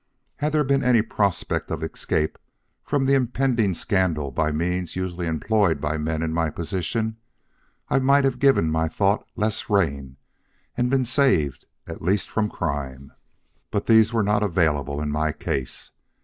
Had there been any prospect of escape from the impending scandal by means usually employed by men in my position, I might have given my thoughts less rein and been saved at least from crime. But these were not available in my case.